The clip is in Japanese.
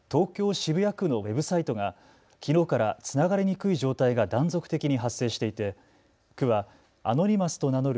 渋谷区のウェブサイトがきのうからつながりにくい状態が断続的に発生していて区はアノニマスと名乗る